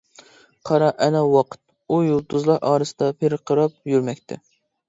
قارا، ئەنە ۋاقىت، ئۇ يۇلتۇزلار ئارىسىدا پىرقىراپ يۈرمەكتە.